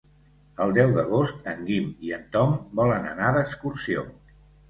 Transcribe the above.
El deu d'agost en Guim i en Tom volen anar d'excursió.